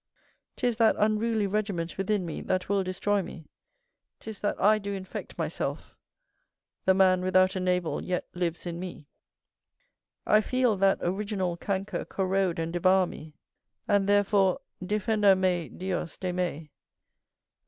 'Tis that unruly regiment within me, that will destroy me; 'tis that I do infect myself; the man without a navel yet lives in me. I feel that original canker corrode and devour me: and therefore, "_Defenda me, Dios, de me!